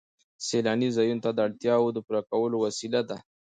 سیلاني ځایونه د اړتیاوو د پوره کولو وسیله ده.